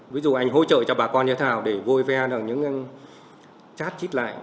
ví dụ anh hỗ trợ cho bà con nhà thầu để vôi ve những chát chít lại